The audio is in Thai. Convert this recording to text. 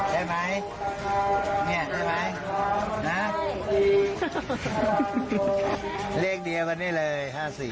๕๔ใช่ไหมนี่ใช่ไหมเลขเดียวกันได้เลย๕๔